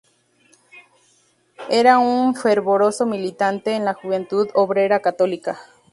Era un fervoroso militante en la Juventud Obrera Católica.